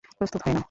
প্রস্তুত হয়ে নাও।